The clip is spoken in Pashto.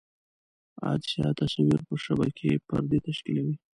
عدسیه تصویر پر شبکیې پردې تشکیولوي.